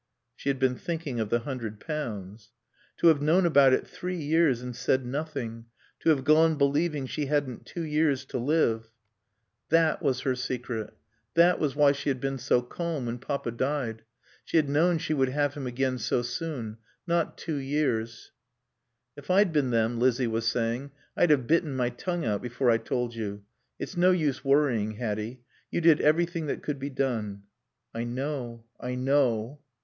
She had been thinking of the hundred pounds. To have known about it three years and said nothing to have gone believing she hadn't two years to live That was her secret. That was why she had been so calm when Papa died. She had known she would have him again so soon. Not two years "If I'd been them," Lizzie was saying, "I'd have bitten my tongue out before I told you. It's no use worrying, Hatty. You did everything that could be done." "I know. I know."